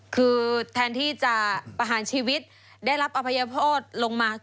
คือแทนที่จะประหารชีวิตได้รับอภัยโทษลงมา